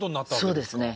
そうですね。